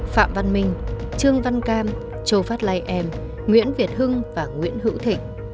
phạm văn minh trương văn cam châu phát lai em nguyễn việt hưng và nguyễn hữu thịnh